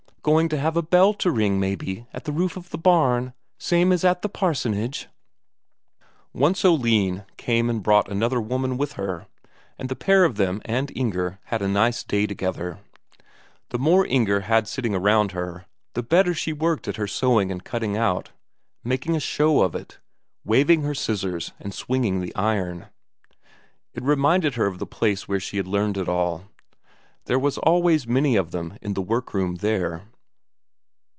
Going to have a bell to ring, maybe, at the roof of the barn, same as at the parsonage?" Once Oline came and brought another woman with her, and the pair of them and Inger had a nice day together. The more Inger had sitting round her, the better she worked at her sewing and cutting out, making a show of it, waving her scissors and swinging the iron. It reminded her of the place where she had learned it all there was always many of them in the workrooms there.